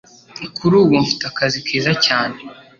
Kuri ubu, mfite akazi keza cyane.